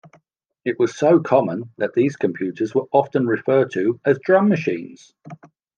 It was so common that these computers were often referred to as "drum machines".